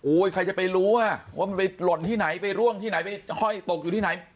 ใครจะไปรู้ว่ามันไปหล่นที่ไหนไปร่วงที่ไหนไปห้อยตกอยู่ที่ไหน